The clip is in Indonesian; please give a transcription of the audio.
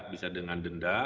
bisa dengan denda